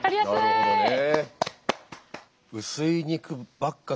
なるほどね。